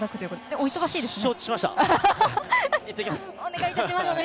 お忙しいですね。